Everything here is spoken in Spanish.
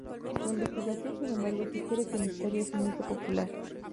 La investigación, sin embargo, sugiere que la historia es un mito popular.